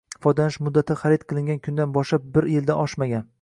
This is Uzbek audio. Foydalanish muddati xarid qilingan kundan boshlab bir yildan oshmagan